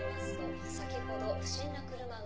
先ほど不審な車が。